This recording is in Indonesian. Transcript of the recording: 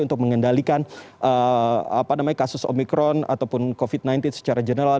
untuk mengendalikan kasus omikron ataupun covid sembilan belas secara general